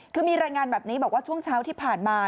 คือมีรายงานแบบนี้บอกว่าช่วงเช้าที่ผ่านมา